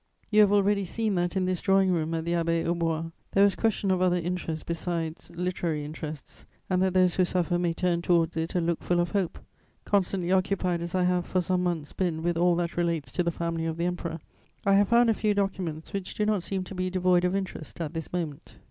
"You have already seen that, in this drawing room at the Abbaye aux Bois, there was question of other interests besides literary interests, and that those who suffer may turn towards it a look full of hope, Constantly occupied as I have, for some months, been with all that relates to the family of the Emperor, I have found a few documents which do not seem to be devoid of interest at this moment.